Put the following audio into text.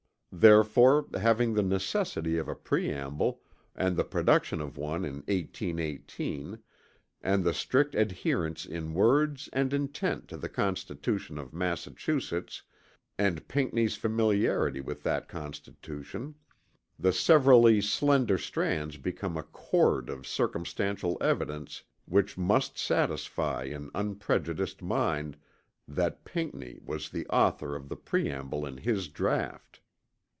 Therefore having the necessity of a preamble, and the production of one in 1818, and the strict adherence in words and intent to the constitution of Massachusetts and Pinckney's familiarity with that constitution, the severally slender strands become a cord of circumstantial evidence which must satisfy an unprejudiced mind that Pinckney was the author of the preamble in his draught.